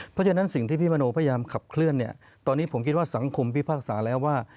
เพราะฉะนั้นสิ่งที่พี่มโนพยายามขับเคลื่อนเนี่ยตอนนี้ผมคิดว่าสังคมพิพากษาแล้วว่า